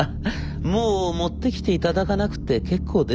もう持ってきていただかなくて結構です」。